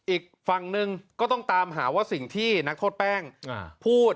อีกฝั่งหนึ่งก็ต้องตามหาว่าสิ่งที่นักโทษแป้งพูด